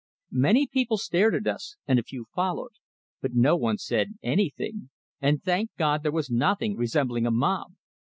Many people stared at us, and a few followed, but no one said anything and thank God, there was nothing resembling a mob!